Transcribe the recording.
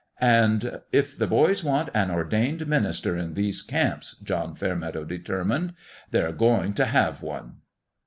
And "If the boys want an ordained minister in these camps," John Fairmeadow determined, " they ' re going to have one